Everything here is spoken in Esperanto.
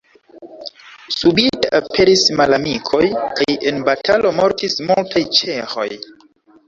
Subite aperis malamikoj kaj en batalo mortis multaj ĉeĥoj.